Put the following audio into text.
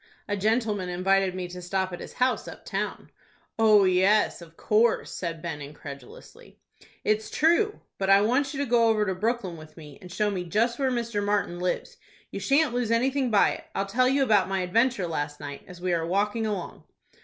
"A gentleman invited me to stop at his house up town." "Oh, yes, of course," said Ben, incredulously. "It's true. But I want you to go over to Brooklyn with me, and show me just where Mr. Martin lives. You shan't lose anything by it. I'll tell you about my adventure last night, as we are walking along."